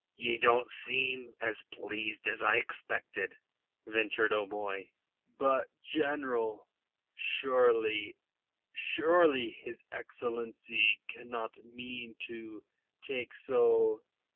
"Ye don't seem as pleased as I expected," ventured O'Moy. "But, General, surely... surely his Excellency cannot mean to take so...